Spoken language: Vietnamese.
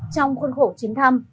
trong khuôn khổ chuyến thăm